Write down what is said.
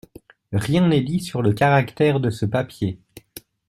Rien n’est dit sur le caractère de ce papier.